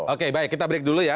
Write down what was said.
oke baik kita break dulu ya